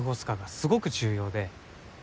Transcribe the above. すごく重要で。